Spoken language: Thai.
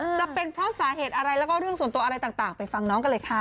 จะเป็นเพราะสาเหตุอะไรแล้วก็เรื่องส่วนตัวอะไรต่างไปฟังน้องกันเลยค่ะ